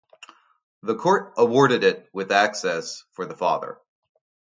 The court awarded it with access for the father.